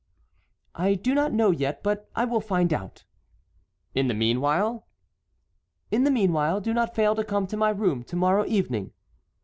"I do not know yet; but I will find out." "In the meanwhile?" "In the meanwhile do not fail to come to my room to morrow evening."